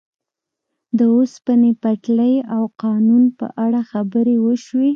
د اوسپنې پټلۍ او قانون په اړه خبرې وشوې.